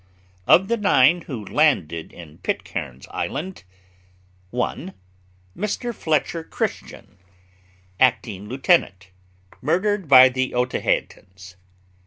Of the nine who landed on Pitcairn's Island: 1. Mr. FLETCHER CHRISTIAN, acting lieut. } murdered by the Otaheitans.